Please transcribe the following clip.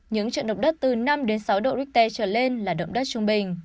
những trận động đất từ năm sáu độ richter trở lên là động đất trung bình